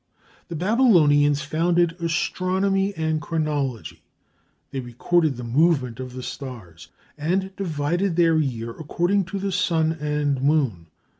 The Babylonians founded astronomy and chronology; they recorded the movements of the stars, and divided their year according to the sun and moon.